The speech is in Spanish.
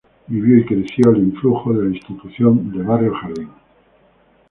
Vivió y creció al influjo de la institución de Barrio Jardín.